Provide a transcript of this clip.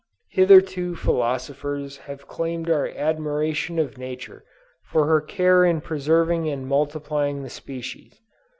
Hitherto philosophers have claimed our admiration of nature for her care in preserving and multiplying the species.